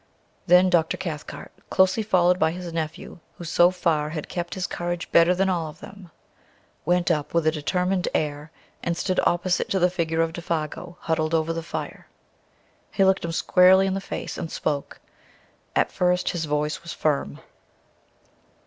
Then Dr. Cathcart, closely followed by his nephew who so far had kept his courage better than all of them, went up with a determined air and stood opposite to the figure of Défago huddled over the fire. He looked him squarely in the face and spoke. At first his voice was firm.